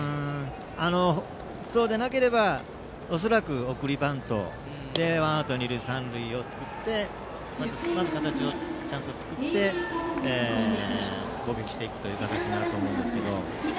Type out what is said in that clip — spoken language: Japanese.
そうでなければ恐らく送りバントでワンアウト二塁三塁を作ってまずチャンスを作って攻撃していく形になると思います。